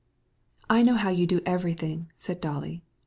"I know how you do everything," answered Dolly.